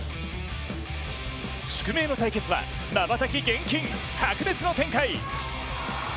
宿命の対決は瞬き厳禁、白熱の展開。